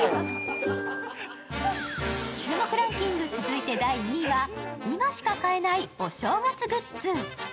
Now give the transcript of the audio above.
注目ランキング続いて第２位は今しか買えないお正月グッズ。